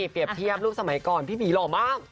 เปรียบเทียบรูปสมัยก่อนพี่หมีหล่อมาก